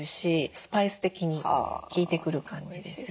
スパイス的に効いてくる感じですね。